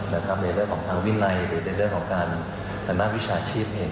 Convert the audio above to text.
ในเรื่องของทางวินัยหรือในเรื่องของการทางด้านวิชาชีพ